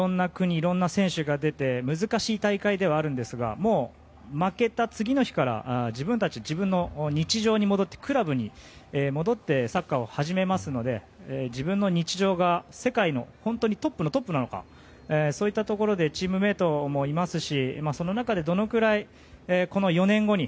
いろんな選手が出て難しい大会ではあるんですがもう負けた次の日から自分の日常に戻ってクラブに戻ってサッカーを始めますので自分の日常が、世界の本当にトップのトップなのかそういったところでチームメートもいますしその中でどのくらいこの４年後に